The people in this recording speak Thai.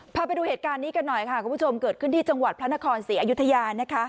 พาไปดูเหตุการณ์นี้กันหน่อยค่ะคุณผู้ชมเกิดขึ้นที่จังหวัดพระนครศรีอยุธยานะคะ